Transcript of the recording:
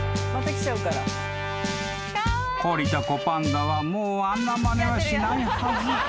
［懲りた子パンダはもうあんなまねはしないはず］